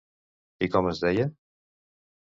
I com es deia?